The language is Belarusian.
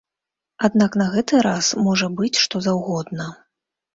Аднак на гэты раз можа быць што заўгодна.